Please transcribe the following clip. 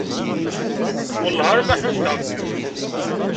Wellah arma ḥudreɣ-kem.